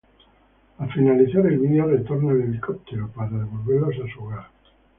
Al finalizar el video retorna el helicóptero, para devolverlos a su hogar.